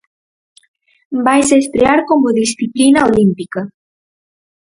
Vaise estrear como disciplina olímpica.